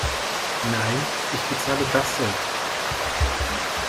Nein, ich bezahle das selbst.